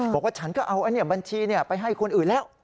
บอกว่าฉันก็เอาบัญชีไปให้คนอื่นแล้ว